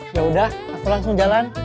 ya udah aku langsung jalan